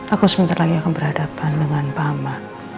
aku sebentar lagi akan berhadapan dengan pama